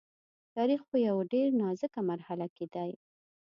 د تاریخ په یوه ډېره نازکه مرحله کې دی.